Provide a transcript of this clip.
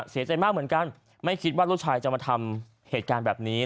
เสียใจมากเหมือนกันไม่คิดว่าลูกชายจะมาทำเหตุการณ์แบบนี้